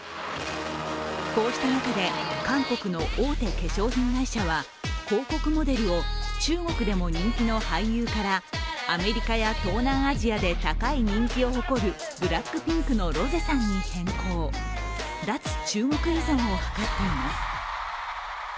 こうした中で、韓国の大手化粧品会社は広告モデルを中国でも人気の俳優からアメリカや東南アジアで高い人気を誇るＢＬＡＣＫＰＩＮＫのロゼさんに変更脱中国依存を図っています。